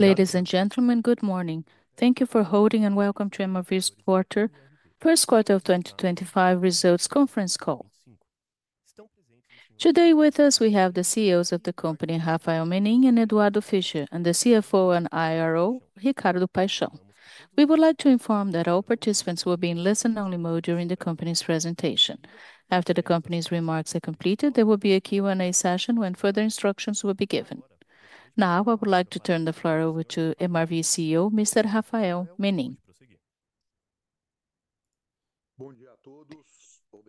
Ladies and gentlemen, good morning. Thank you for holding and welcome to MRV's first quarter of 2025 results conference call. Today with us, we have the CEOs of the company, Rafael Menin and Eduardo Fischer, and the CFO and IRO, Ricardo Paixão. We would like to inform that all participants will be in listen-only mode during the company's presentation. After the company's remarks are completed, there will be a Q&A session when further instructions will be given. Now, I would like to turn the floor over to MRV CEO, Mr. Rafael Menin. Bom dia a todos.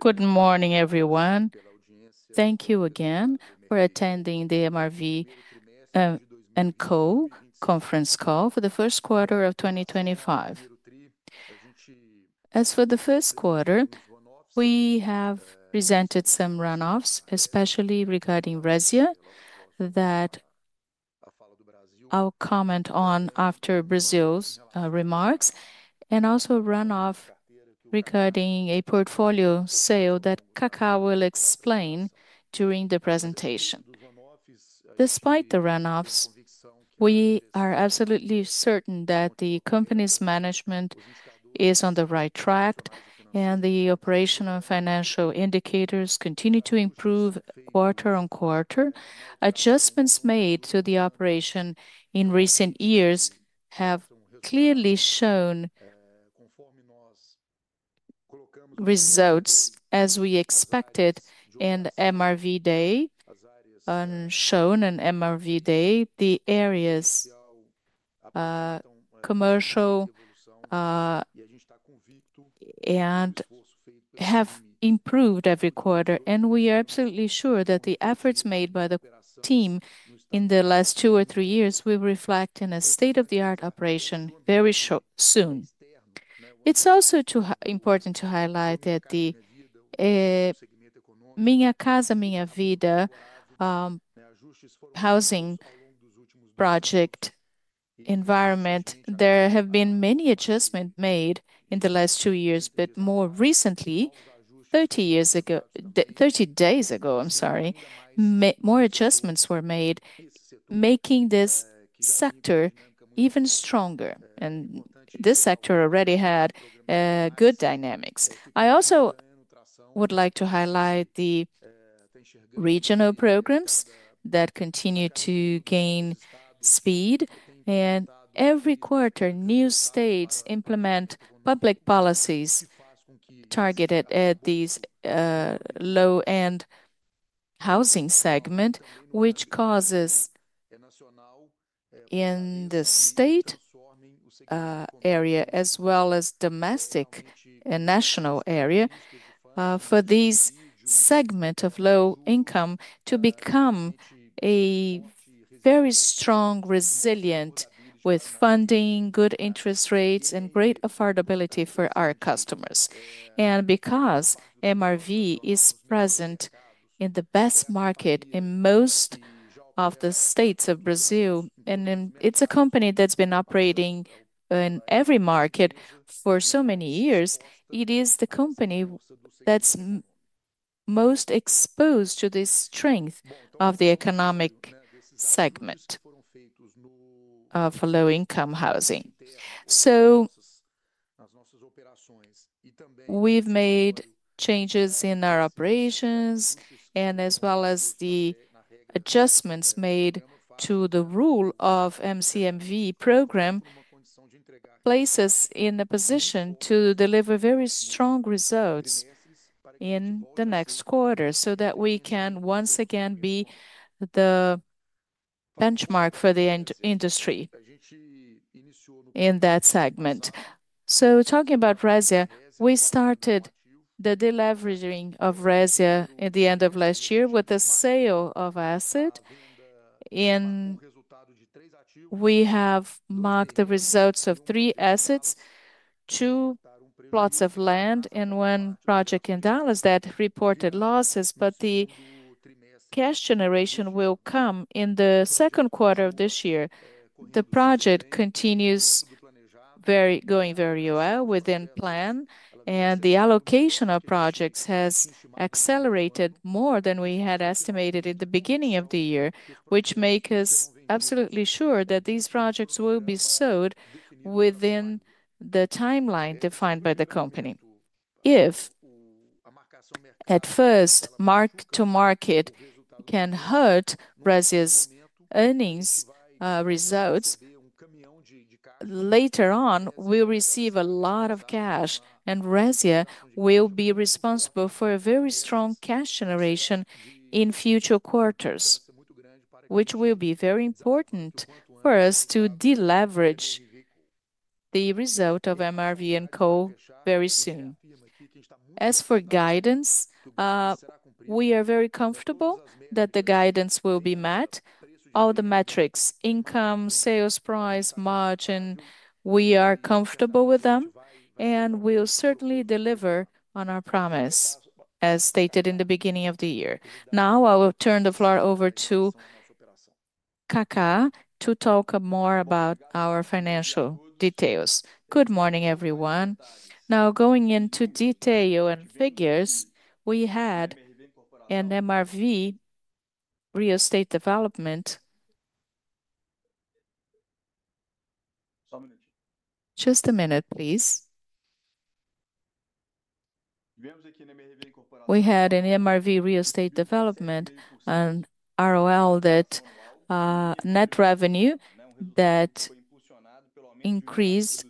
Good morning, everyone. Thank you again for attending the MRV & Co conference call for the first quarter of 2025. As for the first quarter, we have presented some run-offs, especially regarding Resia, that I'll comment on after Brazil's remarks, and also run-off regarding a portfolio sale that Kaka will explain during the presentation. Despite the run-offs, we are absolutely certain that the company's management is on the right track, and the operational and financial indicators continue to improve quarter on quarter. Adjustments made to the operation in recent years have clearly shown results as we expected in MRV Day. On show in MRV Day, the areas commercial and have improved every quarter, and we are absolutely sure that the efforts made by the team in the last two or three years will reflect in a state-of-the-art operation very soon. It's also important to highlight that in the Minha Casa Minha Vida housing project environment, there have been many adjustments made in the last two years, but more recently, 30 days ago, I'm sorry, more adjustments were made, making this sector even stronger, and this sector already had good dynamics. I also would like to highlight the regional programs that continue to gain speed, and every quarter, new states implement public policies targeted at these low-end housing segments, which causes in the state area, as well as domestic and national area, for these segments of low income to become very strong, resilient, with funding, good interest rates, and great affordability for our customers. Because MRV is present in the best market in most of the states of Brazil, and it's a company that's been operating in every market for so many years, it is the company that's most exposed to the strength of the economic segment for low-income housing. We have made changes in our operations, and as well as the adjustments made to the rule of the MCMV program, this places us in a position to deliver very strong results in the next quarter, so that we can once again be the benchmark for the industry in that segment. Talking about Rezia, we started the deleveraging of Rezia at the end of last year with a sale of assets. We have marked the results of three assets, two plots of land, and one project in Dallas that reported losses, but the cash generation will come in the second quarter of this year. The project continues going very well within plan, and the allocation of projects has accelerated more than we had estimated in the beginning of the year, which makes us absolutely sure that these projects will be sold within the timeline defined by the company. If at first, mark-to-market can hurt Resia's earnings results, later on, we'll receive a lot of cash, and Resia will be responsible for a very strong cash generation in future quarters, which will be very important for us to deleverage the result of MRV & Co very soon. As for guidance, we are very comfortable that the guidance will be met. All the metrics, income, sales price, margin, we are comfortable with them, and we'll certainly deliver on our promise, as stated in the beginning of the year. Now, I will turn the floor over to Kaka to talk more about our financial details. Good morning, everyone. Now, going into detail and figures, we had an MRV real estate development. Just a minute, please. We had an MRV real estate development, an ROL, that net revenue that increased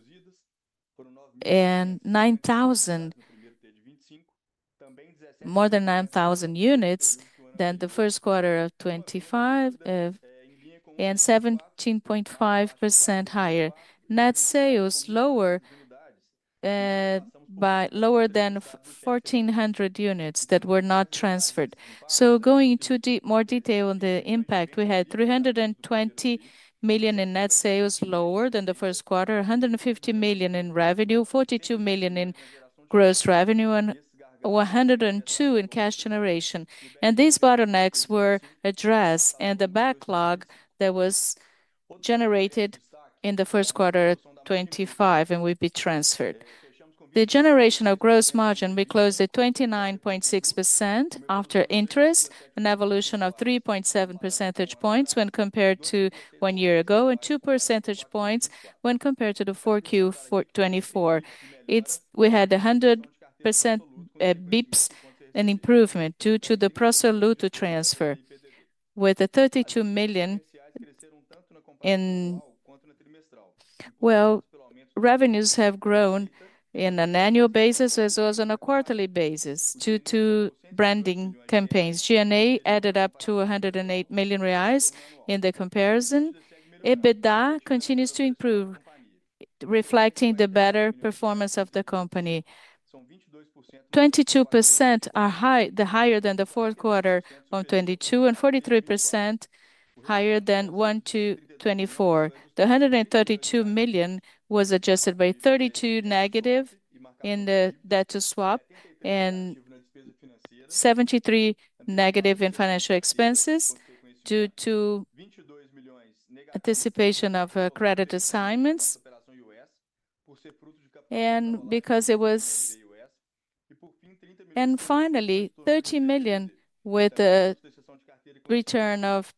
in 9,000 units than the first quarter of 2025 and 17.5% higher. Net sales lower than 1,400 units that were not transferred. Going into more detail on the impact, we had 320 million in net sales lower than the first quarter, 150 million in revenue, 42 million in gross revenue, and 102 million in cash generation. These bottlenecks were addressed, and the backlog that was generated in the first quarter of 2025 would be transferred. The generation of gross margin, we closed at 29.6% after interest, an evolution of 3.7 percentage points when compared to one year ago, and 2 percentage points when compared to the fourth quarter of 2024. We had 100% BIPS, an improvement due to the Pro Soluto transfer, with 32 million in. Revenues have grown on an annual basis as well as on a quarterly basis due to branding campaigns. G&A added up to 108 million reais in the comparison. EBITDA continues to improve, reflecting the better performance of the company. 22% are higher than the fourth quarter of 2022, and 43% higher than Q1 2024. The 132 million was adjusted by 32 million negative in the debt to swap, and 73 million negative in financial expenses due to anticipation of credit assignments, and because it was. Finally, 30 million with a return of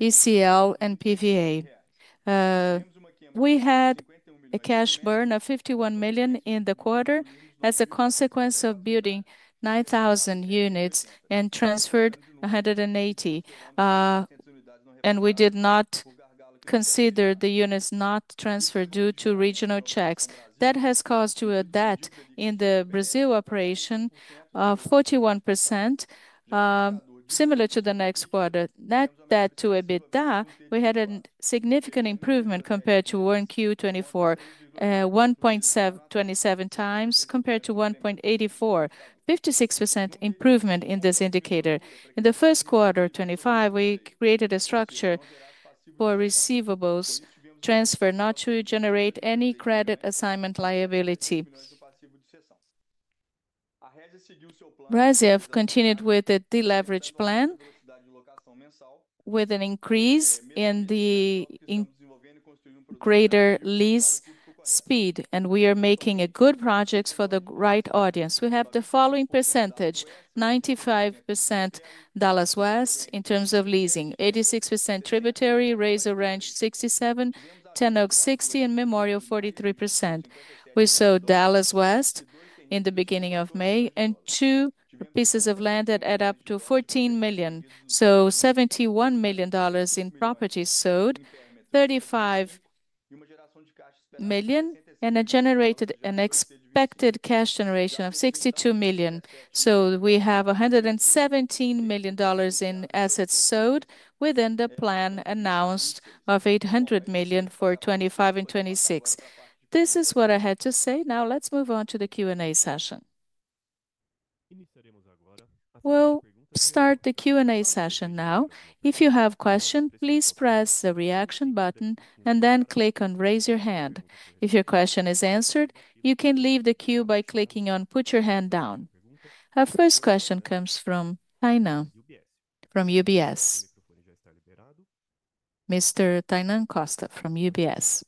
ECL and PVA. We had a cash burn of 51 million in the quarter as a consequence of building 9,000 units and transferred 180, and we did not consider the units not transferred due to regional checks. That has caused a debt in the Brazil operation of 41%, similar to the next quarter. That debt to EBITDA, we had a significant improvement compared to 1Q 2024, 1.27 times compared to 1.84, 56% improvement in this indicator. In the first quarter of 2025, we created a structure for receivables transfer not to generate any credit assignment liability. Brazil continued with the deleverage plan, with an increase in the greater lease speed, and we are making good projects for the right audience. We have the following percentage: 95% Dallas West in terms of leasing, 86% Tributary, Razor Ranch 67, 10 Oaks 60, and Memorial 43%. We sold Dallas West in the beginning of May and two pieces of land that add up to $14 million. So $71 million in properties sold, $35 million, and it generated an expected cash generation of $62 million. We have $117 million in assets sold within the plan announced of $800 million for 2025 and 2026. This is what I had to say. Now, let's move on to the Q&A session. Start the Q&A session now. If you have a question, please press the reaction button and then click on raise your hand. If your question is answered, you can leave the queue by clicking on put your hand down. Our first question comes from Tainan, from UBS, Mr. Tainan Costa, from UBS.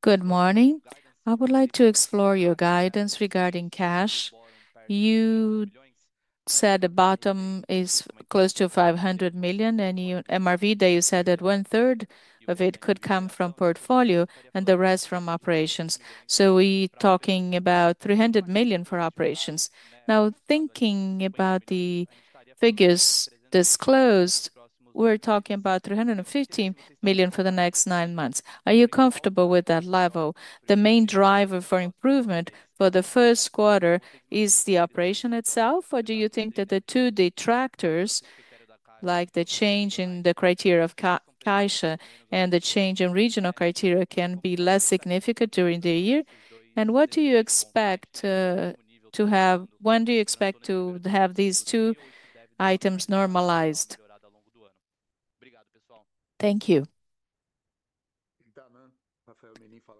Good morning. I would like to explore your guidance regarding cash. You said the bottom is close to $500 million, and your MRV that you said that one-third of it could come from portfolio and the rest from operations. So we're talking about $300 million for operations. Now, thinking about the figures disclosed, we're talking about $350 million for the next nine months. Are you comfortable with that level? The main driver for improvement for the first quarter is the operation itself, or do you think that the two detractors, like the change in the criteria of Caixa and the change in regional criteria, can be less significant during the year? What do you expect to have? When do you expect to have these two items normalized? Thank you.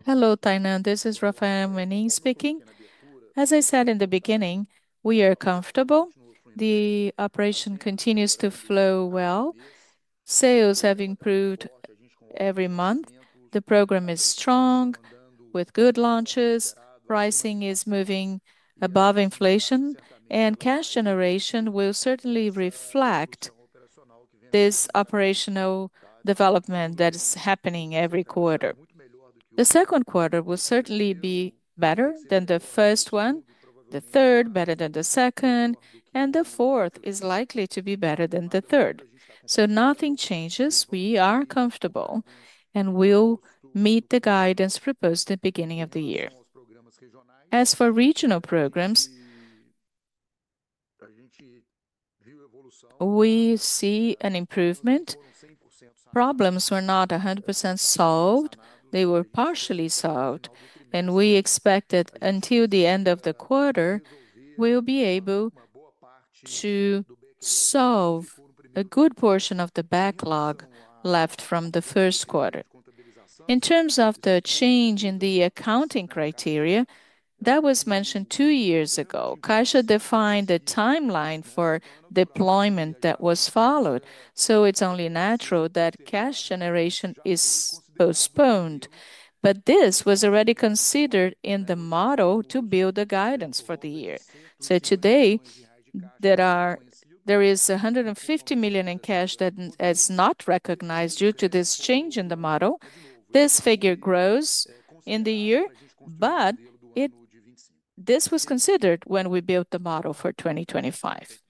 Hello, Tainan. This is Rafael Menin speaking. As I said in the beginning, we are comfortable. The operation continues to flow well. Sales have improved every month. The program is strong with good launches. Pricing is moving above inflation, and cash generation will certainly reflect this operational development that is happening every quarter. The second quarter will certainly be better than the first one, the third better than the second, and the fourth is likely to be better than the third. Nothing changes. We are comfortable and will meet the guidance proposed at the beginning of the year. As for regional programs, we see an improvement. Problems were not 100% solved. They were partially solved, and we expect that until the end of the quarter, we'll be able to solve a good portion of the backlog left from the first quarter. In terms of the change in the accounting criteria that was mentioned two years ago, Caixa defined a timeline for deployment that was followed, so it is only natural that cash generation is postponed. This was already considered in the model to build the guidance for the year. Today, there is 150 million in cash that is not recognized due to this change in the model. This figure grows in the year, but this was considered when we built the model for 2025.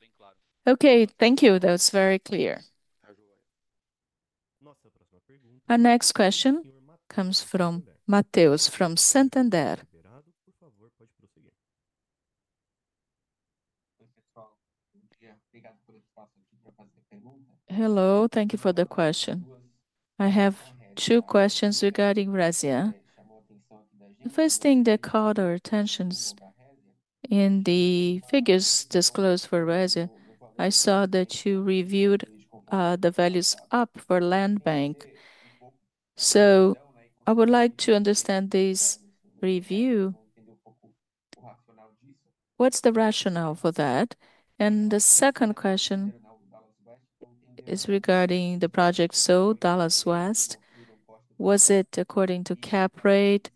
Okay, thank you. That was very clear. Our next question comes from Matheus from Santander. Hello, thank you for the question. I have two questions regarding Resia. First thing, the call to attention in the figures disclosed for Resia. I saw that you reviewed the values up for land bank. I would like to understand this review. What's the rationale for that? The second question is regarding the project. Dallas West, was it according to cap rate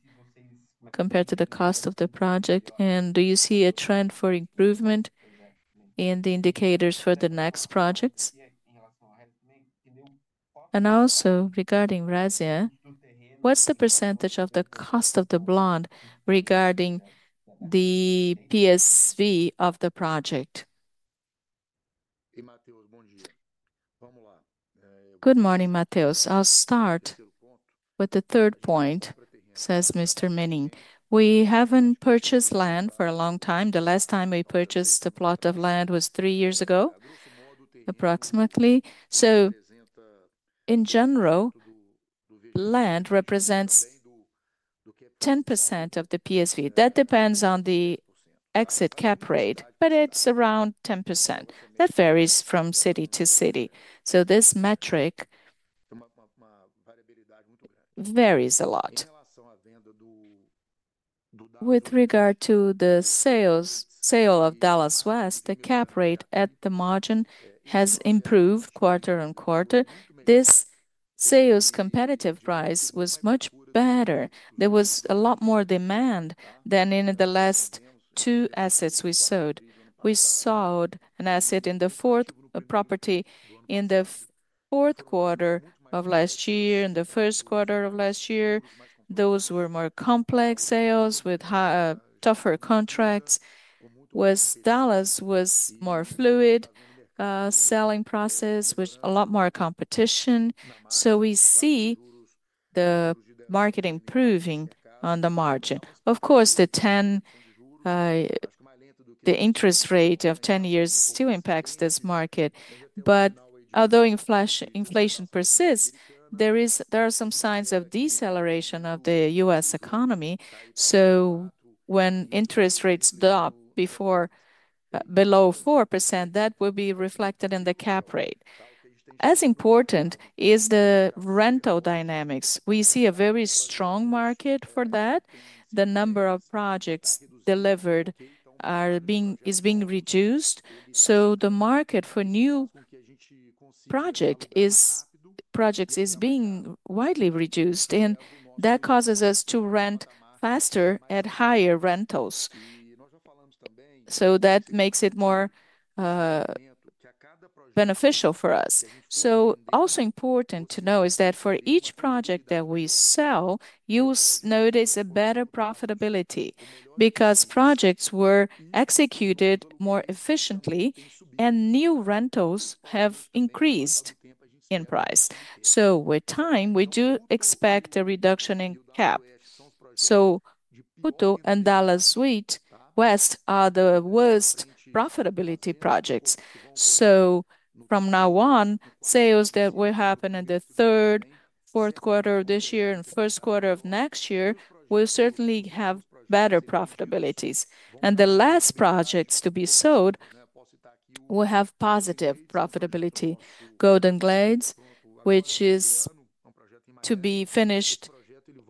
compared to the cost of the project? Do you see a trend for improvement in the indicators for the next projects? Also regarding Resia, what's the percentage of the cost of the blond regarding the PSV of the project? Good morning, Matheus. I'll start with the third point, says Mr. Menin. We haven't purchased land for a long time. The last time we purchased a plot of land was three years ago, approximately. In general, land represents 10% of the PSV. That depends on the exit cap rate, but it is around 10%. That varies from city to city, so this metric varies a lot. With regard to the sale of Dallas West, the cap rate at the margin has improved quarter on quarter. This sales competitive price was much better. There was a lot more demand than in the last two assets we sold. We sold an asset in the fourth property in the fourth quarter of last year, in the first quarter of last year. Those were more complex sales with tougher contracts. Dallas was a more fluid selling process with a lot more competition. We see the market improving on the margin. Of course, the interest rate of 10 years still impacts this market. Although inflation persists, there are some signs of deceleration of the U.S. economy. When interest rates drop below 4%, that will be reflected in the cap rate. As important is the rental dynamics. We see a very strong market for that. The number of projects delivered is being reduced. The market for new projects is being widely reduced, and that causes us to rent faster at higher rentals. That makes it more beneficial for us. Also important to know is that for each project that we sell, you notice a better profitability because projects were executed more efficiently and new rentals have increased in price. With time, we do expect a reduction in cap. Puto and Dallas West are the worst profitability projects. From now on, sales that will happen in the third, fourth quarter of this year and first quarter of next year will certainly have better profitabilities. The last projects to be sold will have positive profitability. Golden Glades, which is to be finished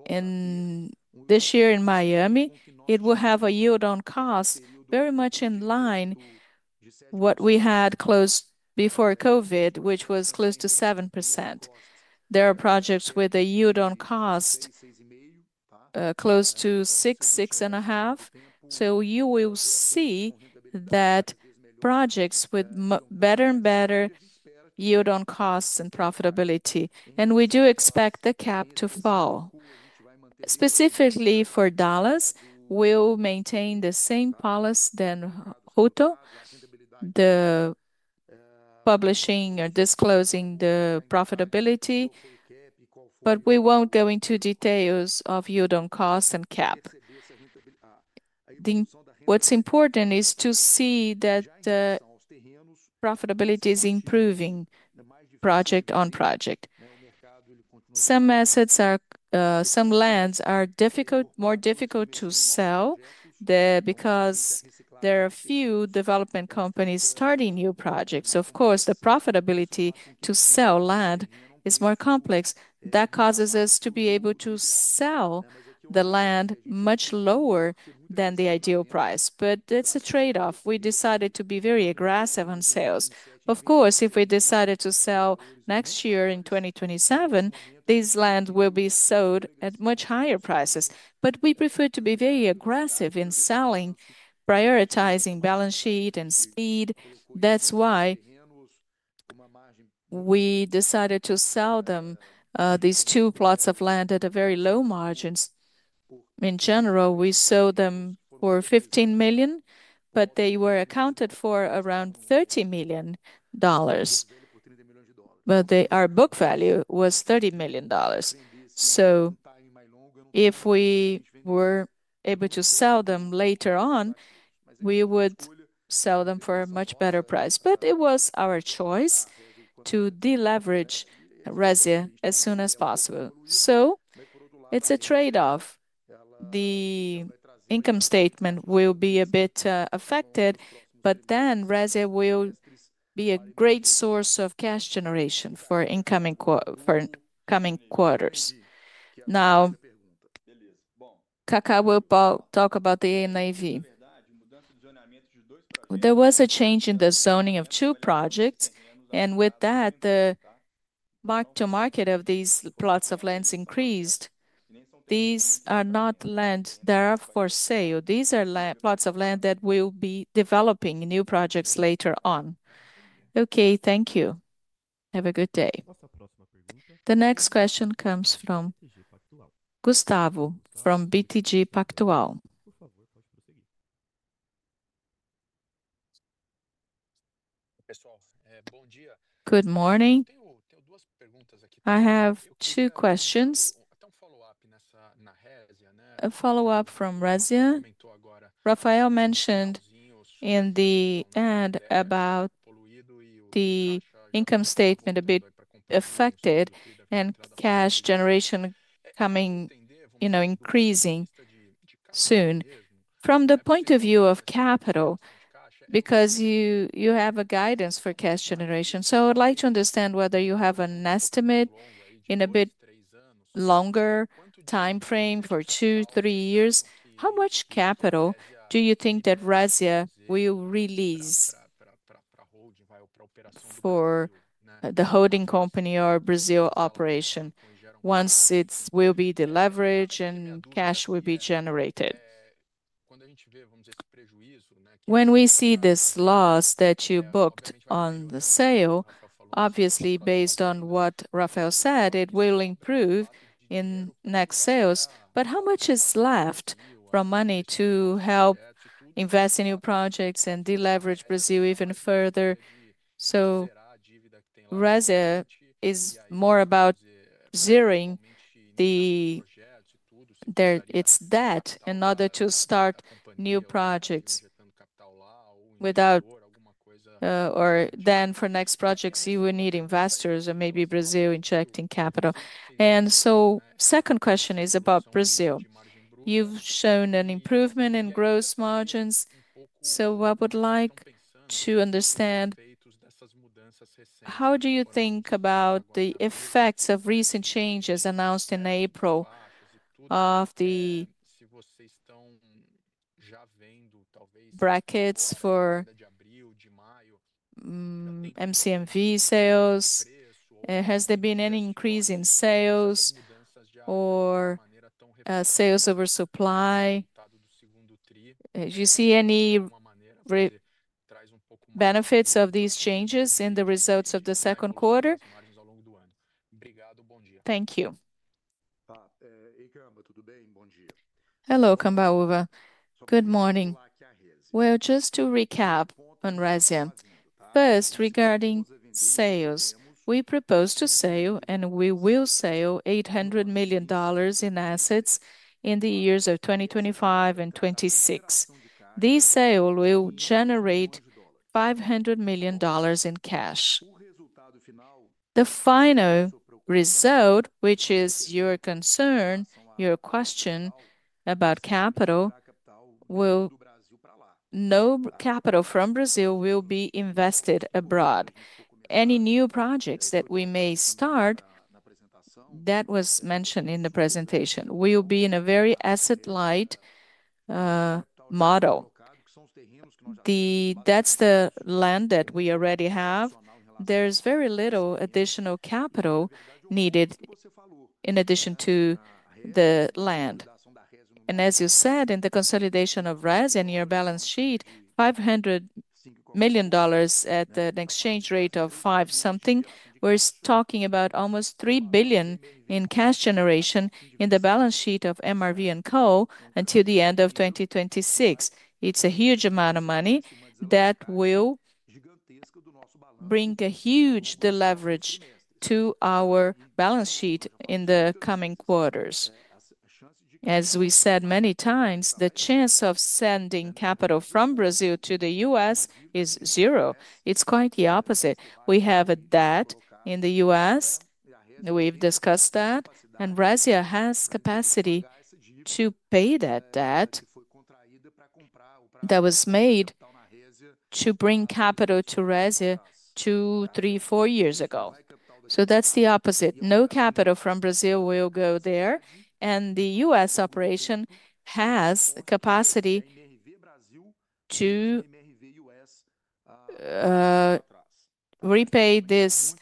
this year in Miami, it will have a yield on cost very much in line with what we had close before COVID, which was close to 7%. There are projects with a yield on cost close to 6-6.5%. You will see that projects with better and better yield on costs and profitability. We do expect the cap to fall. Specifically for Dallas, we'll maintain the same policy than Puto, the publishing or disclosing the profitability, but we won't go into details of yield on cost and cap. What's important is to see that the profitability is improving project on project. Some assets are, some lands are more difficult to sell because there are few development companies starting new projects. Of course, the profitability to sell land is more complex. That causes us to be able to sell the land much lower than the ideal price. It is a trade-off. We decided to be very aggressive on sales. Of course, if we decided to sell next year in 2027, these lands will be sold at much higher prices. We prefer to be very aggressive in selling, prioritizing balance sheet and speed. That is why we decided to sell these two plots of land at very low margins. In general, we sold them for $15 million, but they were accounted for around $30 million. Our book value was $30 million. If we were able to sell them later on, we would sell them for a much better price. It was our choice to deleverage Resia as soon as possible. So it's a trade-off. The income statement will be a bit affected, but then Resia will be a great source of cash generation for incoming quarters. Now, Kaka will talk about the NAV. There was a change in the zoning of two projects, and with that, the mark-to-market of these plots of land increased. These are not land that are for sale. These are plots of land that will be developing new projects later on. Okay, thank you. Have a good day. The next question comes from Gustavo from BTG Pactual. Pessoal, bom dia. Good morning. I have two questions. A follow-up from Resia. Rafael mentioned in the end about the income statement a bit affected and cash generation coming, you know, increasing soon. From the point of view of capital, because you have a guidance for cash generation, I would like to understand whether you have an estimate in a bit longer timeframe for two, three years. How much capital do you think that Resia will release for the holding company or Brazil operation once it will be deleveraged and cash will be generated? When we see this loss that you booked on the sale, obviously, based on what Rafael said, it will improve in next sales. How much is left from money to help invest in new projects and deleverage Brazil even further? Resia is more about zeroing the debt in order to start new projects without. For next projects, you will need investors or maybe Brazil injecting capital. The second question is about Brazil. You've shown an improvement in gross margins, so I would like to understand how do you think about the effects of recent changes announced in April of the brackets for MCMV sales? Has there been any increase in sales or sales oversupply? Do you see any benefits of these changes in the results of the second quarter? Thank you. Hello, Cambauva. Good morning. Just to recap on Resia. First, regarding sales, we propose to sell and we will sell $800 million in assets in the years of 2025 and 2026. This sale will generate $500 million in cash. The final result, which is your concern, your question about capital, will be that no capital from Brazil will be invested abroad. Any new projects that we may start, that was mentioned in the presentation, will be in a very asset-light model. That is the land that we already have. There's very little additional capital needed in addition to the land. And as you said, in the consolidation of Resia and your balance sheet, $500 million at an exchange rate of five something, we're talking about almost 3 billion in cash generation in the balance sheet of MRV & Co until the end of 2026. It's a huge amount of money that will bring a huge deleverage to our balance sheet in the coming quarters. As we said many times, the chance of sending capital from Brazil to the U.S. is zero. It's quite the opposite. We have a debt in the U.S. We've discussed that, and Resia has capacity to pay that debt that was made to bring capital to Resia two, three, four years ago. So that's the opposite. No capital from Brazil will go there, and the U.S. Operation has the capacity to repay this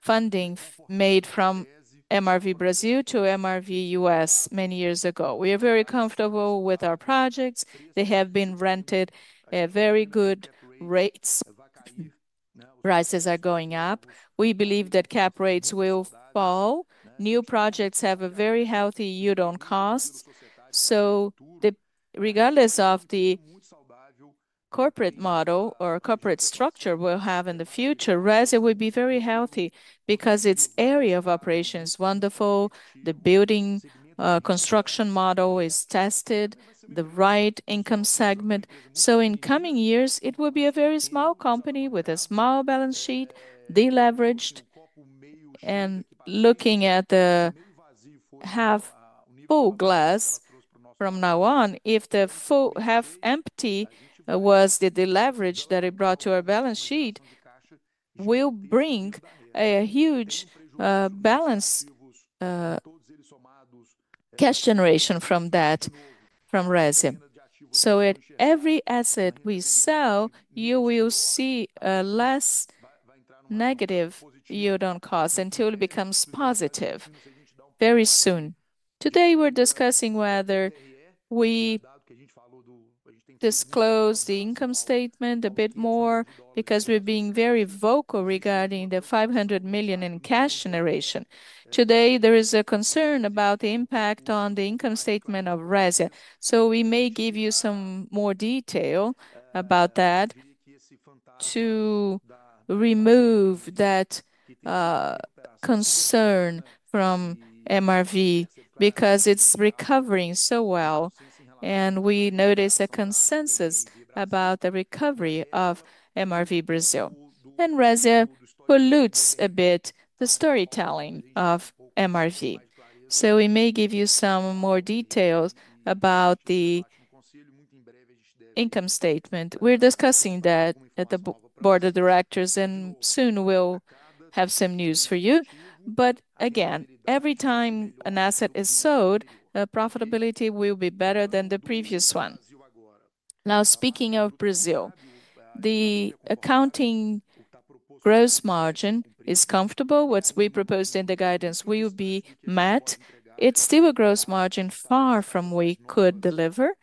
funding made from MRV Brazil to MRV U.S. many years ago. We are very comfortable with our projects. They have been rented at very good rates. Prices are going up. We believe that cap rates will fall. New projects have a very healthy yield on costs. Regardless of the corporate model or corporate structure we will have in the future, Resia will be very healthy because its area of operation is wonderful. The building construction model is tested, the right income segment. In coming years, it will be a very small company with a small balance sheet, deleveraged, and looking at the half full glass from now on. If the full half empty was the deleverage that it brought to our balance sheet, we will bring a huge balance cash generation from that from Resia. At every asset we sell, you will see a less negative yield on cost until it becomes positive very soon. Today, we're discussing whether we disclose the income statement a bit more because we're being very vocal regarding the $500 million in cash generation. Today, there is a concern about the impact on the income statement of Resia. We may give you some more detail about that to remove that concern from MRV because it's recovering so well. We notice a consensus about the recovery of MRV Brazil. Resia pollutes a bit the storytelling of MRV. We may give you some more details about the income statement. We're discussing that at the board of directors, and soon we'll have some news for you. Again, every time an asset is sold, the profitability will be better than the previous one. Now, speaking of Brazil, the accounting gross margin is comfortable. What we proposed in the guidance will be met. It's still a gross margin far from what we could deliver.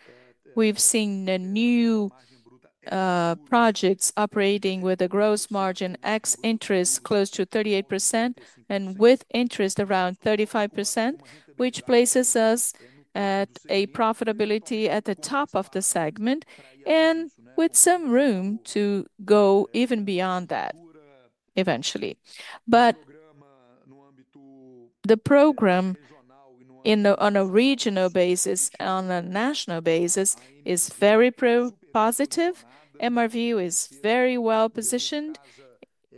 We've seen new projects operating with a gross margin ex-interest close to 38% and with interest around 35%, which places us at a profitability at the top of the segment and with some room to go even beyond that eventually. The program on a regional basis, on a national basis, is very pro-positive. MRV is very well positioned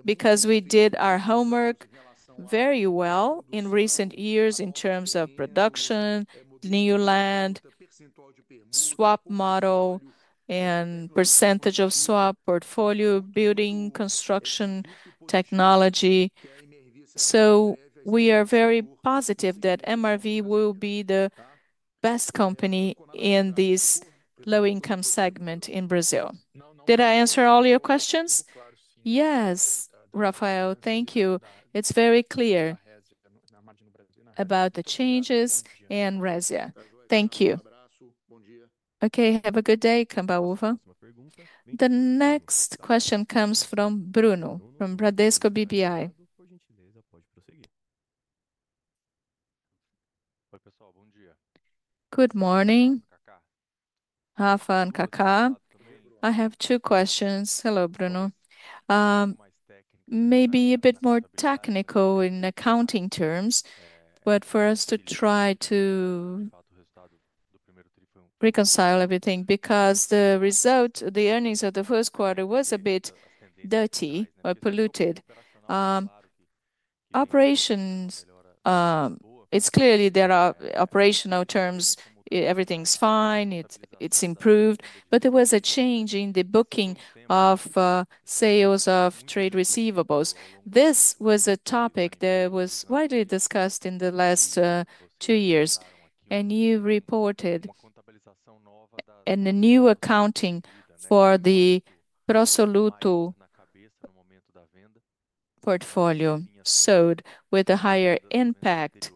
because we did our homework very well in recent years in terms of production, new land, swap model, and percentage of swap portfolio building construction technology. We are very positive that MRV will be the best company in this low-income segment in Brazil. Did I answer all your questions? Yes, Rafael, thank you. It's very clear about the changes and Resia. Thank you. Okay, have a good day, Cambauva. The next question comes from Bruno from Bradesco BBI. Good morning, Rafa and Kaka. I have two questions. Hello, Bruno. Maybe a bit more technical in accounting terms, but for us to try to reconcile everything because the result, the earnings of the first quarter was a bit dirty or polluted. Operations, it's clear there are operational terms, everything's fine, it's improved, but there was a change in the booking of sales of trade receivables. This was a topic that was widely discussed in the last two years, and you reported a new accounting for the Pro Soluto portfolio sold with a higher impact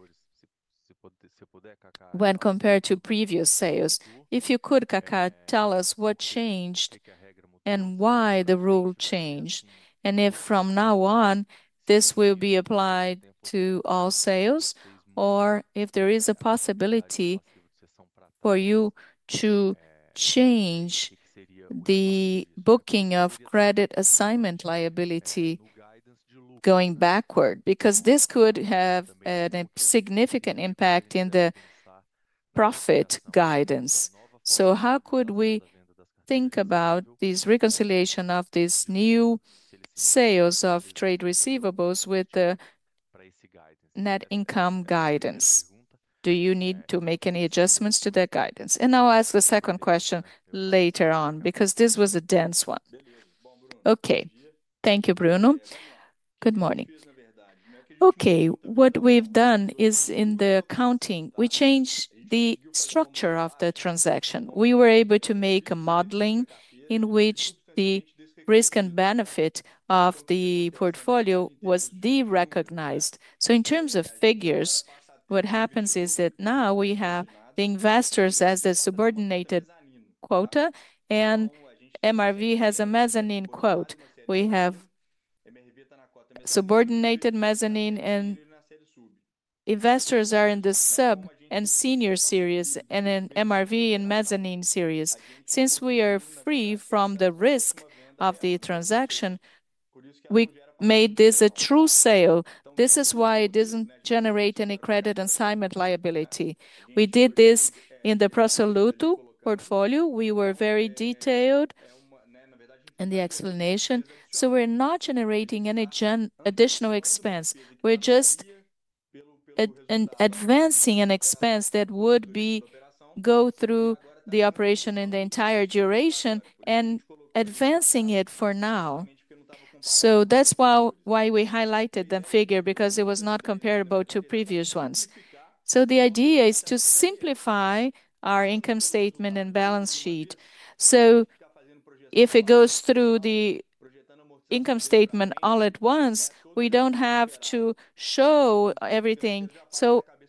when compared to previous sales. If you could, Kaka, tell us what changed and why the rule changed, and if from now on this will be applied to all sales, or if there is a possibility for you to change the booking of credit assignment liability going backward, because this could have a significant impact in the profit guidance. How could we think about this reconciliation of these new sales of trade receivables with the net income guidance? Do you need to make any adjustments to that guidance? I'll ask the second question later on because this was a dense one. Thank you, Bruno. Good morning. What we've done is in the accounting, we changed the structure of the transaction. We were able to make a modeling in which the risk and benefit of the portfolio was derecognized. In terms of figures, what happens is that now we have the investors as the subordinated quota, and MRV has a mezzanine quota. We have subordinated mezzanine, and investors are in the sub and senior series and MRV in the mezzanine series. Since we are free from the risk of the transaction, we made this a true sale. This is why it does not generate any credit assignment liability. We did this in the Pro Soluto portfolio. We were very detailed in the explanation. We are not generating any additional expense. We are just advancing an expense that would go through the operation in the entire duration and advancing it for now. That is why we highlighted the figure, because it was not comparable to previous ones. The idea is to simplify our income statement and balance sheet. If it goes through the income statement all at once, we do not have to show everything.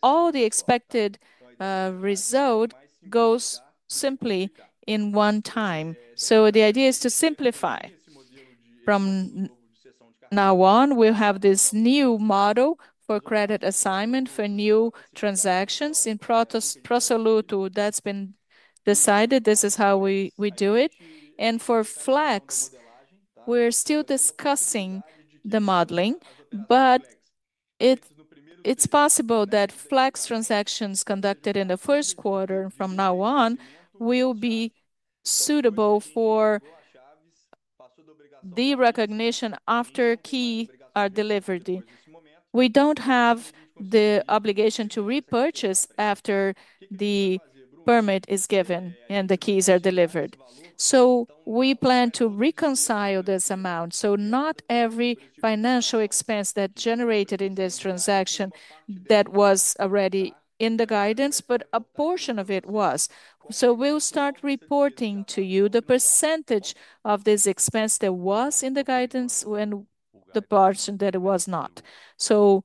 All the expected result goes simply in one time. The idea is to simplify. From now on, we will have this new model for credit assignment for new transactions. In Pro Soluto, that has been decided. This is how we do it. For Flex, we are still discussing the modeling, but it is possible that Flex transactions conducted in the first quarter from now on will be suitable for the recognition after keys are delivered. We do not have the obligation to repurchase after the permit is given and the keys are delivered. We plan to reconcile this amount. Not every financial expense that generated in this transaction that was already in the guidance, but a portion of it was. We'll start reporting to you the percentage of this expense that was in the guidance and the parts that it was not. So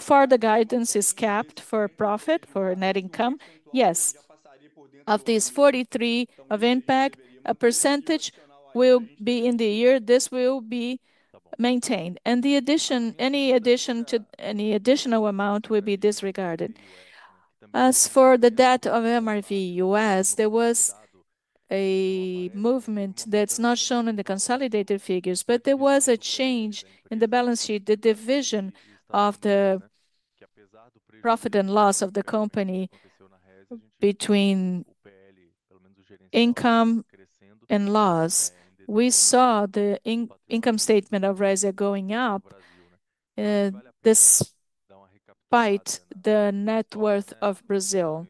far, the guidance is capped for profit for net income? Yes, of these 43 of impact, a percentage will be in the year. This will be maintained. And the addition? Any addition to any additional amount will be disregarded. As for the debt of MRV U.S., there was a movement that's not shown in the consolidated figures, but there was a change in the balance sheet, the division of the profit and loss of the company between income and loss. We saw the income statement of Resia going up. This bites the net worth of Brazil.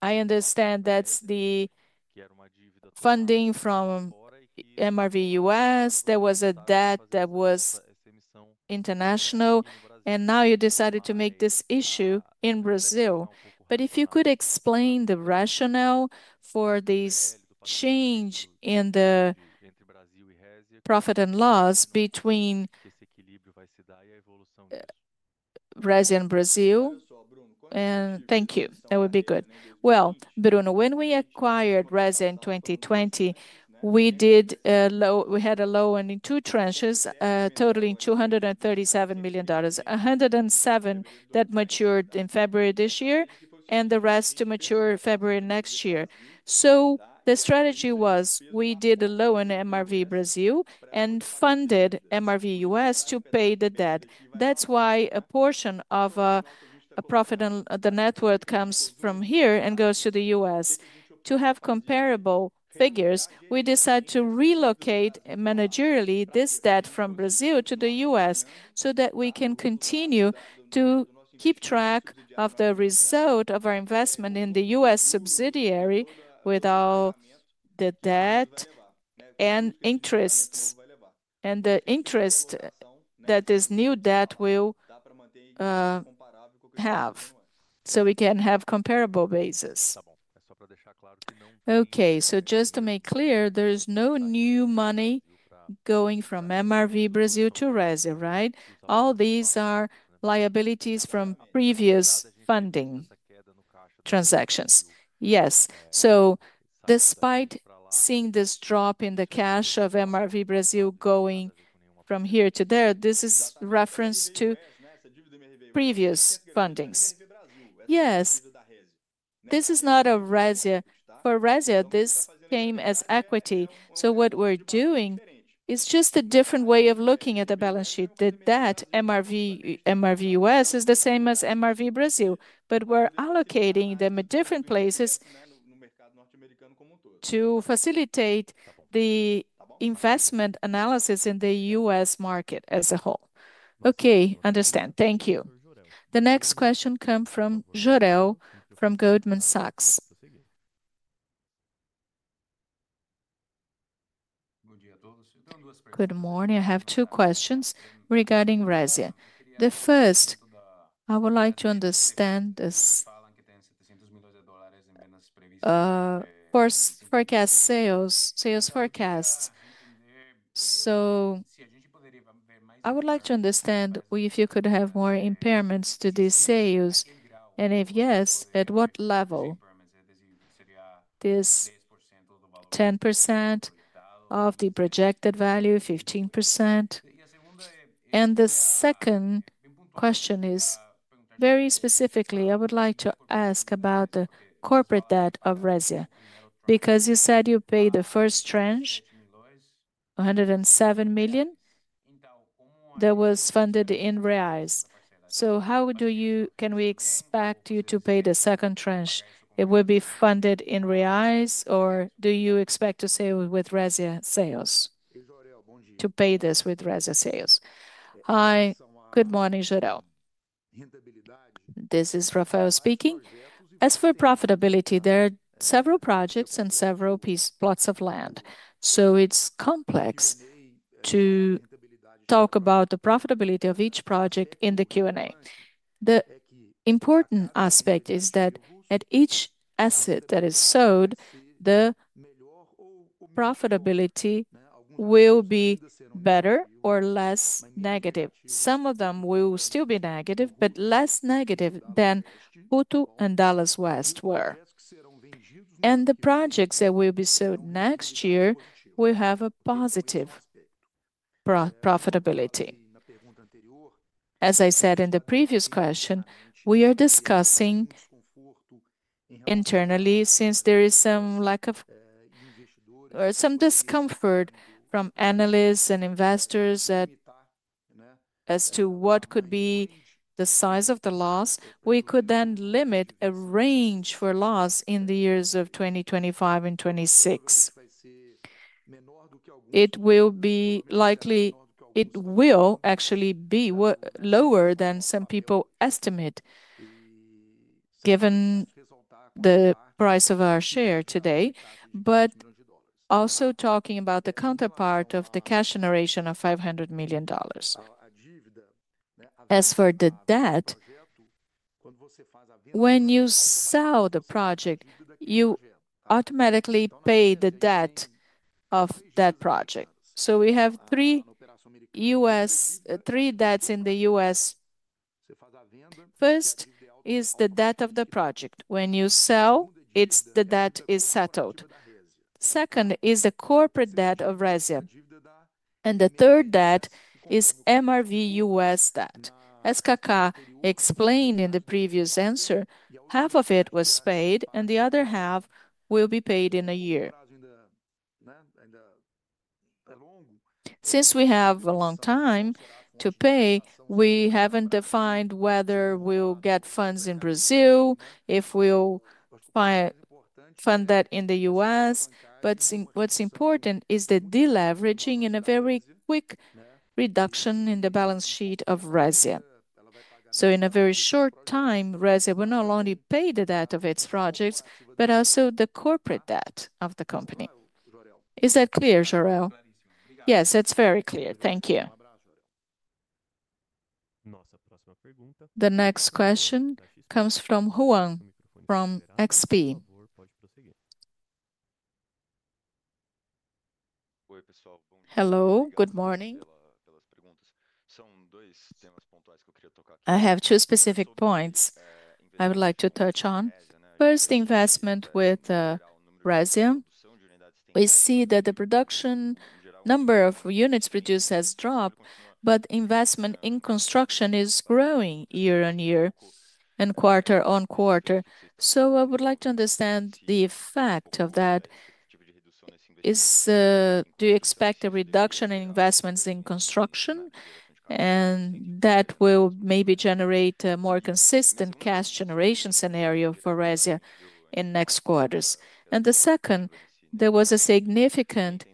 I understand that's the funding from MRV U.S. There was a debt that was international, and now you decided to make this issue in Brazil. If you could explain the rationale for this change in the profit and loss between Resia and Brazil. Thank you. That would be good. Bruno, when we acquired Resia in 2020, we had a loan in two tranches, totaling $237 million, $107 million that matured in February this year, and the rest to mature February next year. The strategy was we did a loan in MRV Brazil and funded MRV U.S. to pay the debt. That is why a portion of the profit and the net worth comes from here and goes to the U.S. To have comparable figures, we decided to relocate managerially this debt from Brazil to the US so that we can continue to keep track of the result of our investment in the US subsidiary with all the debt and interest and the interest that this new debt will have. We can have comparable basis. Okay, just to make clear, there's no new money going from MRV Brazil to Resia, right? All these are liabilities from previous funding transactions. Yes. Despite seeing this drop in the cash of MRV Brazil going from here to there, this is reference to previous fundings. Yes, this is not a Resia. For Resia, this came as equity. What we're doing is just a different way of looking at the balance sheet. The debt MRV U.S. is the same as MRV Brazil, but we're allocating them in different places to facilitate the investment analysis in the U.S. market as a whole. Okay, understand. Thank you. The next question comes from Jorel from Goldman Sachs. Good morning. I have two questions regarding Resia. The first, I would like to understand this. Forecast sales, sales forecasts. I would like to understand if you could have more impairments to these sales. If yes, at what level? This 10% of the projected value, 15%? The second question is very specifically, I would like to ask about the corporate debt of Resia because you said you paid the first tranche, 107 million. That was funded in reais. How do you, can we expect you to pay the second tranche? Will it be funded in reais, or do you expect to save with Resia sales to pay this with Resia sales? Hi, good morning, Jorel. This is Rafael speaking. As for profitability, there are several projects and several plots of land. It is complex to talk about the profitability of each project in the Q&A. The important aspect is that at each asset that is sold, the profitability will be better or less negative. Some of them will still be negative, but less negative than Putu and Dallas West were. The projects that will be sold next year will have a positive profitability. As I said in the previous question, we are discussing internally since there is some lack of or some discomfort from analysts and investors as to what could be the size of the loss. We could then limit a range for loss in the years of 2025 and 2026. It will be likely, it will actually be lower than some people estimate given the price of our share today, but also talking about the counterpart of the cash generation of $500 million. As for the debt, when you sell the project, you automatically pay the debt of that project. We have three debts in the U.S. First is the debt of the project. When you sell, it's the debt that is settled. Second is the corporate debt of Resia. And the third debt is MRV US debt. As Kaka explained in the previous answer, half of it was paid and the other half will be paid in a year. Since we have a long time to pay, we haven't defined whether we'll get funds in Brazil, if we'll find fund that in the US. But what's important is the deleveraging and a very quick reduction in the balance sheet of Resia. In a very short time, Resia will not only pay the debt of its projects, but also the corporate debt of the company. Is that clear, Jorel? Yes, that's very clear. Thank you. The next question comes from Juan from XP. Hello, good morning. I have two specific points I would like to touch on. First, investment with Resia. We see that the production number of units produced has dropped, but investment in construction is growing year on year and quarter on quarter. I would like to understand the effect of that. Do you expect a reduction in investments in construction? That will maybe generate a more consistent cash generation scenario for Resia in next quarters. The second, there was a significant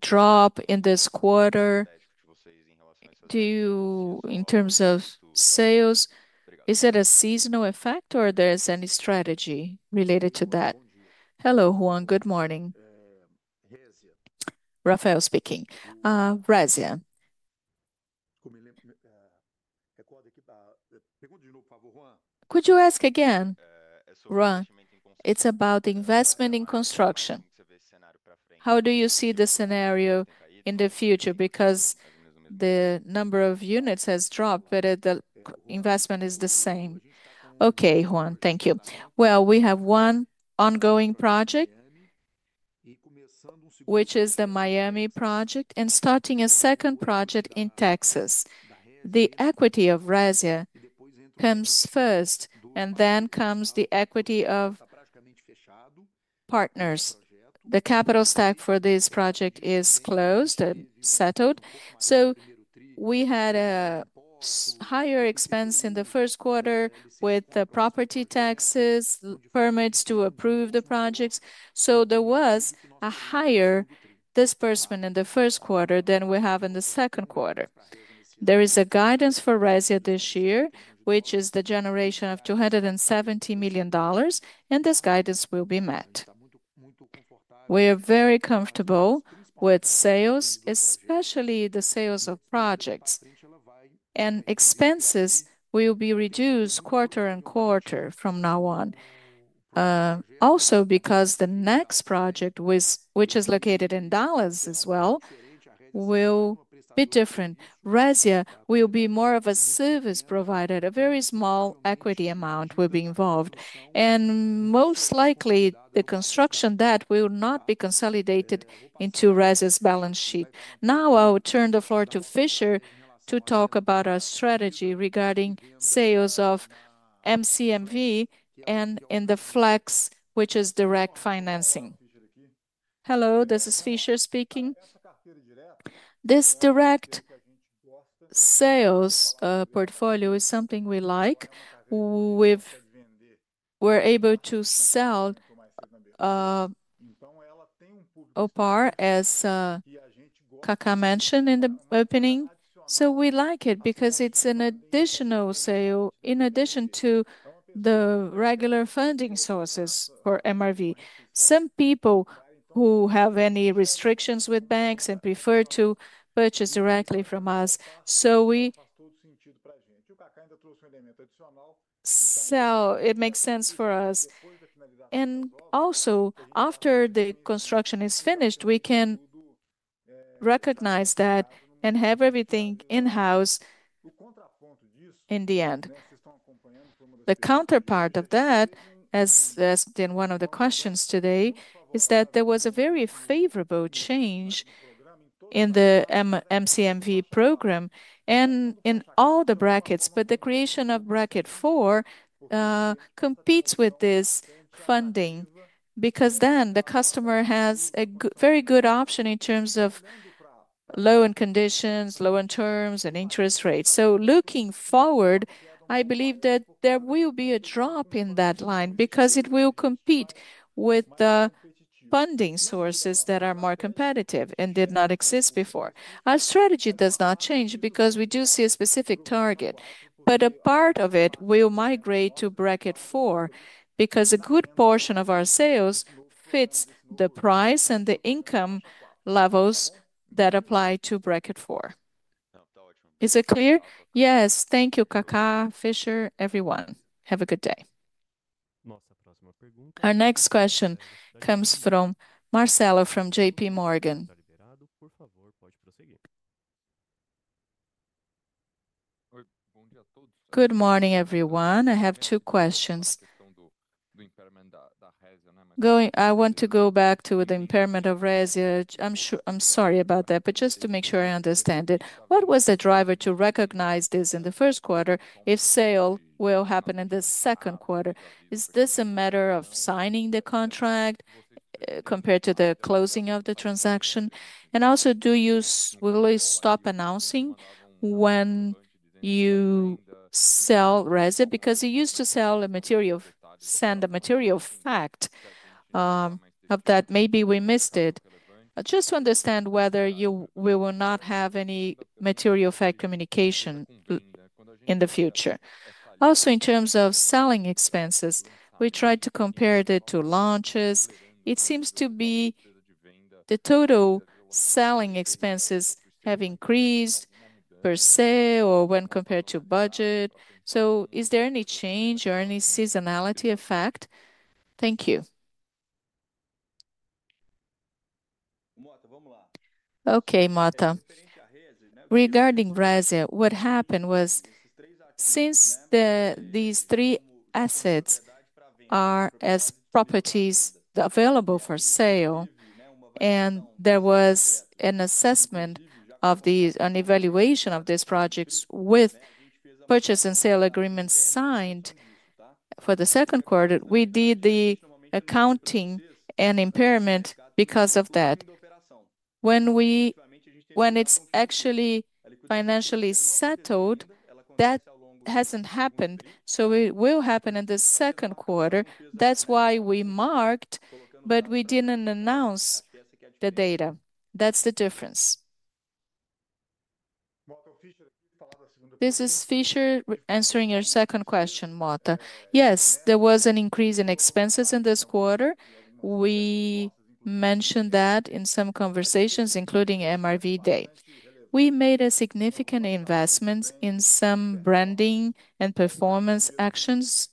drop in this quarter in terms of sales. Is it a seasonal effect or is there any strategy related to that? Hello, Juan, good morning. Rafael speaking. Resia. Could you ask again? Juan, it is about investment in construction. How do you see the scenario in the future? Because the number of units has dropped, but the investment is the same. Thank you, Juan. We have one ongoing project, which is the Miami project, and starting a second project in Texas. The equity of Resia comes first, and then comes the equity of partners. The capital stack for this project is closed and settled. We had a higher expense in the first quarter with the property taxes, permits to approve the projects. There was a higher disbursement in the first quarter than we have in the second quarter. There is a guidance for Resia this year, which is the generation of $270 million, and this guidance will be met. We are very comfortable with sales, especially the sales of projects. Expenses will be reduced quarter on quarter from now on. Also, because the next project, which is located in Dallas as well, will be different. Resia will be more of a service provider. A very small equity amount will be involved. Most likely, the construction debt will not be consolidated into Resia's balance sheet. Now I will turn the floor to Fischer to talk about our strategy regarding sales of MCMV and in the Flex, which is direct financing. Hello, this is Fischer speaking. This direct sales portfolio is something we like. We're able to sell Opar, as Kaka mentioned in the opening. We like it because it's an additional sale in addition to the regular funding sources for MRV. Some people who have any restrictions with banks and prefer to purchase directly from us. We sell. It makes sense for us. Also, after the construction is finished, we can recognize that and have everything in-house in the end. The counterpart of that, as in one of the questions today, is that there was a very favorable change in the MCMV program and in all the brackets, but the creation of bracket 4 competes with this funding because then the customer has a very good option in terms of low-end conditions, low-end terms, and interest rates. Looking forward, I believe that there will be a drop in that line because it will compete with the funding sources that are more competitive and did not exist before. Our strategy does not change because we do see a specific target, but a part of it will migrate to bracket 4 because a good portion of our sales fits the price and the income levels that apply to bracket 4. Is it clear? Yes. Thank you, Kaka, Fischer, everyone. Have a good day. Our next question comes from Marcelo from JP Morgan. Good morning, everyone. I have two questions. I want to go back to the impairment of Resia. I'm sorry about that, but just to make sure I understand it. What was the driver to recognize this in the first quarter if sale will happen in the second quarter? Is this a matter of signing the contract compared to the closing of the transaction? Also, do you really stop announcing when you sell Resia? Because you used to send a material fact of that, maybe we missed it. Just to understand whether we will not have any material fact communication in the future. Also, in terms of selling expenses, we tried to compare it to launches. It seems to be the total selling expenses have increased per se or when compared to budget. Is there any change or any seasonality effect? Thank you. Okay, Marta. Regarding Resia, what happened was since these three assets are as properties available for sale, and there was an assessment of the evaluation of these projects with purchase and sale agreements signed for the second quarter, we did the accounting and impairment because of that. When it is actually financially settled, that has not happened. It will happen in the second quarter. That is why we marked, but we did not announce the data. That is the difference. This is Fischer answering your second question, Marta. Yes, there was an increase in expenses in this quarter. We mentioned that in some conversations, including MRV date. We made a significant investment in some branding and performance actions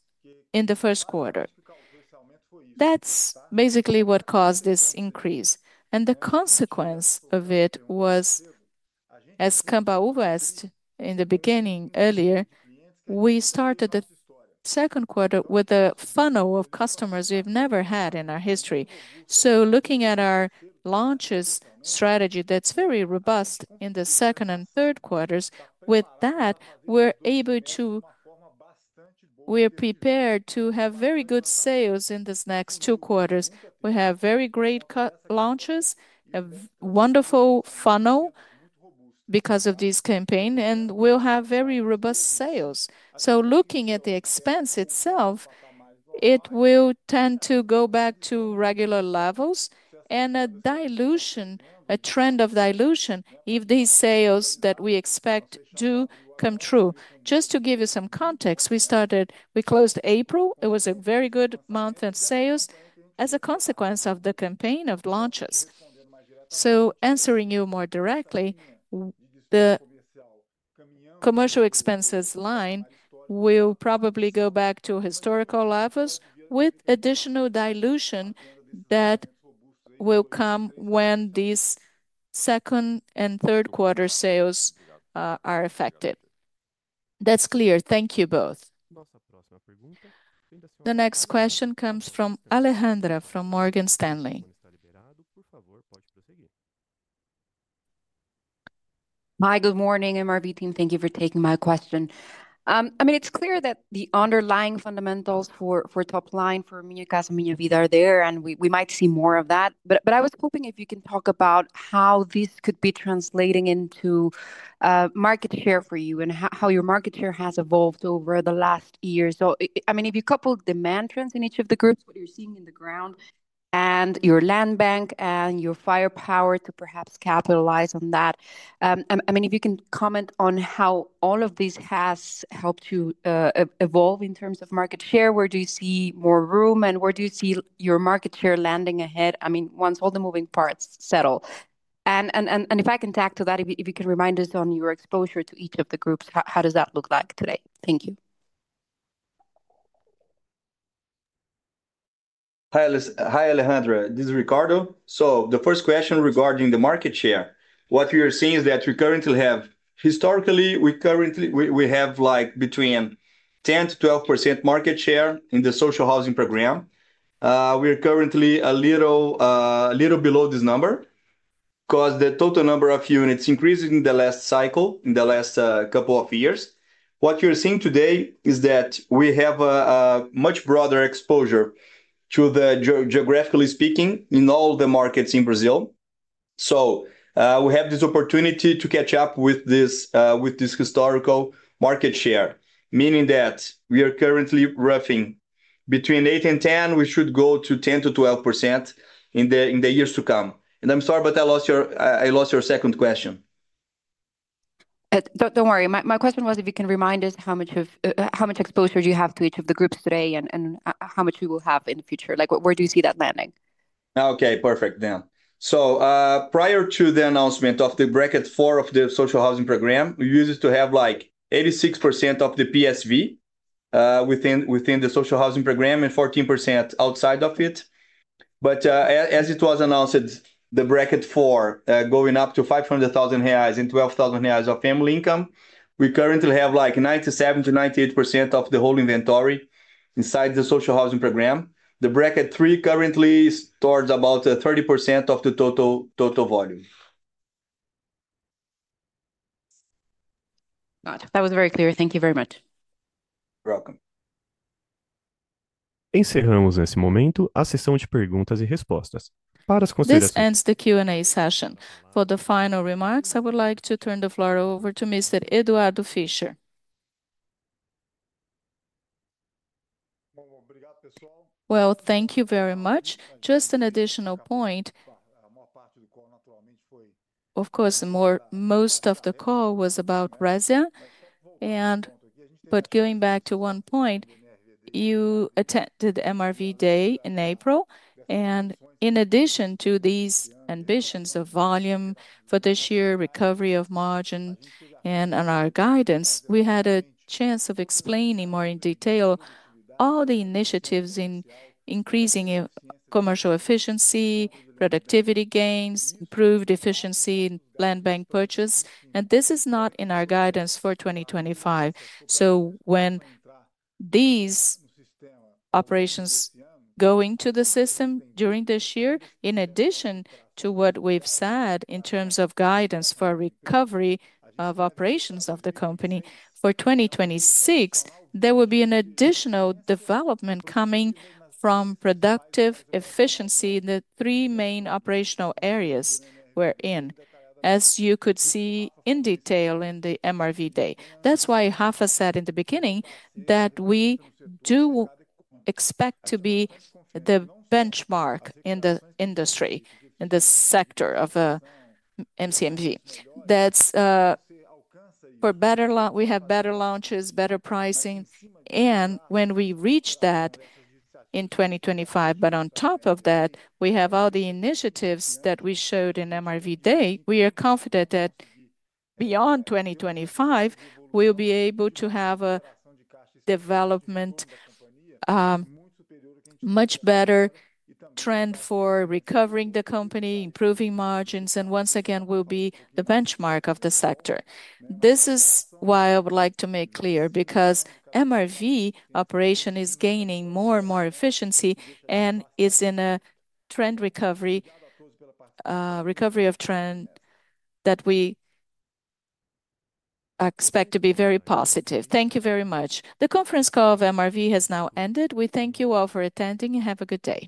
in the first quarter. That is basically what caused this increase. The consequence of it was, as Kamba Uvest in the beginning earlier, we started the second quarter with a funnel of customers we've never had in our history. Looking at our launches strategy, that's very robust in the second and third quarters. With that, we're able to, we're prepared to have very good sales in these next two quarters. We have very great launches, a wonderful funnel because of this campaign, and we'll have very robust sales. Looking at the expense itself, it will tend to go back to regular levels and a trend of dilution if these sales that we expect do come true. Just to give you some context, we started, we closed April. It was a very good month of sales as a consequence of the campaign of launches. Answering you more directly, the commercial expenses line will probably go back to historical levels with additional dilution that will come when these second and third quarter sales are affected. That is clear. Thank you both. The next question comes from Alejandra from Morgan Stanley. Hi, good morning, MRV team. Thank you for taking my question. I mean, it is clear that the underlying fundamentals for Topline for Minha Casa Minha Vida are there, and we might see more of that. I was hoping if you can talk about how this could be translating into market share for you and how your market share has evolved over the last year. I mean, if you couple demand trends in each of the groups, what you are seeing on the ground and your land bank and your firepower to perhaps capitalize on that. I mean, if you can comment on how all of this has helped you evolve in terms of market share, where do you see more room and where do you see your market share landing ahead? I mean, once all the moving parts settle. If I can tag to that, if you can remind us on your exposure to each of the groups, how does that look like today? Thank you. Hi, Alejandra. This is Ricardo. The first question regarding the market share, what we are seeing is that we currently have historically, we currently we have like between 10-12% market share in the social housing program. We are currently a little below this number because the total number of units increased in the last cycle, in the last couple of years. What you're seeing today is that we have a much broader exposure geographically speaking in all the markets in Brazil. We have this opportunity to catch up with this historical market share, meaning that we are currently roughly between 8% and 10%, we should go to 10%-12% in the years to come. I'm sorry, but I lost your second question. Don't worry. My question was if you can remind us how much exposure you have to each of the groups today and how much we will have in the future. Like where do you see that landing? Okay, perfect. Prior to the announcement of the bracket 4 of the social housing program, we used to have like 86% of the PSV within the social housing program and 14% outside of it. But as it was announced, the bracket 4 going up to 500,000 reais and 12,000 reais of family income, we currently have like 97%-98% of the whole inventory inside the social housing program. The bracket 3 currently is towards about 30% of the total volume. Got it. That was very clear. Thank you very much. You're welcome. Encerramos nesse momento a sessão de perguntas e respostas. Para as considerações. This ends the Q&A session. For the final remarks, I would like to turn the floor over to Mr. Eduardo Fischer. Thank you very much. Just an additional point. Of course, most of the call was about Resia. Going back to one point, you attended MRV Day in April. In addition to these ambitions of volume for this year, recovery of margin, and our guidance, we had a chance of explaining more in detail all the initiatives in increasing commercial efficiency, productivity gains, improved efficiency in land bank purchase. This is not in our guidance for 2025. When these operations go into the system during this year, in addition to what we've said in terms of guidance for recovery of operations of the company for 2026, there will be an additional development coming from productive efficiency in the three main operational areas we're in, as you could see in detail in the MRV Day. That is why Rafa said in the beginning that we do expect to be the benchmark in the industry, in the sector of MCMV. That is for better launch. We have better launches, better pricing. When we reach that in 2025, but on top of that, we have all the initiatives that we showed in MRV Day, we are confident that beyond 2025, we'll be able to have a development, much better trend for recovering the company, improving margins, and once again, we'll be the benchmark of the sector. This is why I would like to make clear because MRV operation is gaining more and more efficiency and is in a trend recovery of trend that we expect to be very positive. Thank you very much. The conference call of MRV has now ended. We thank you all for attending and have a good day.